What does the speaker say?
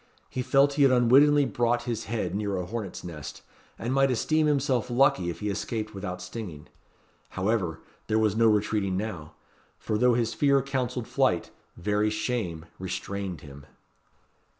He felt he had unwittingly brought his head near a hornet's nest, and might esteem himself lucky if he escaped without stinging. However, there was no retreating now; for though his fear counselled flight, very shame restrained him.